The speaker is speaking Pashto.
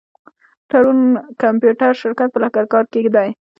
تړون کمپيوټر شرکت په لښکرګاه ښار کي دی.